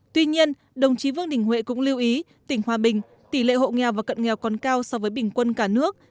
tuy nhiên đồng chí vương đình huệ cũng lưu ý tỉnh hòa bình tỷ lệ hộ nghèo và cận nghèo còn cao so với bình quân cả nước